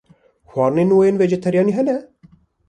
Xwarinên we yên vejeteryanî hene?